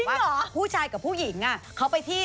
เหรอผู้ชายกับผู้หญิงเขาไปที่